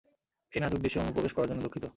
এই নাজুক দৃশ্যে অনুপ্রবেশ করার জন্য দুঃখিত।